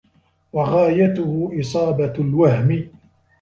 وَغَايَتُهُ إصَابَةُ الْوَهْمِ